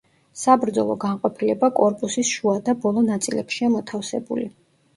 საბრძოლო განყოფილება კორპუსის შუა და ბოლო ნაწილებშია მოთავსებული.